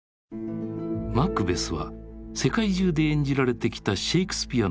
「マクベス」は世界中で演じられてきたシェイクスピアの代表作。